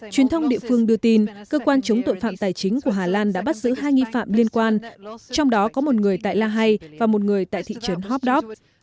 truyền thông địa phương đưa tin cơ quan chống tội phạm tài chính của hà lan đã bắt giữ hai nghi phạm liên quan trong đó có một người tại la hay và một người tại thị trấn hopdap